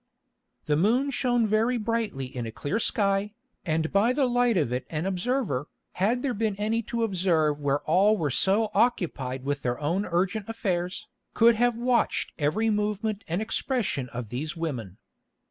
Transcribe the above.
The moon shone very brightly in a clear sky, and by the light of it an observer, had there been any to observe where all were so occupied with their own urgent affairs, could have watched every movement and expression of these women.